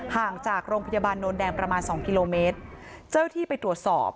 ห่างจากโรงพยาบาลโนนแดงประมาณสองกิโลเมตรเจ้าที่ไปตรวจสอบ